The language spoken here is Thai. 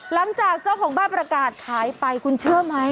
เจ้าของบ้านประกาศขายไปคุณเชื่อไหม